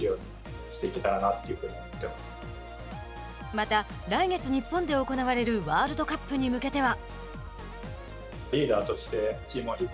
また、来月、日本で行われるワールドカップに向けては。